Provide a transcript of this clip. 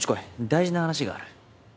大事な話がある。